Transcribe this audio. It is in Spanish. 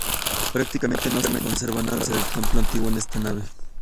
Prácticamente no se conserva nada del templo antiguo en esta nave.